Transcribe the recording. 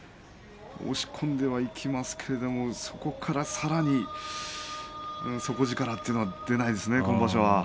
押し込んではいきますけれどもそこからさらに底力というのが今場所は出ないですね。